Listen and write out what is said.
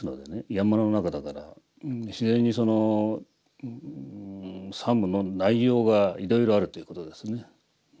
山の中だから自然にその作務の内容がいろいろあるということですね。